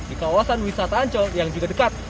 di kawasan wisata ancol yang juga dekat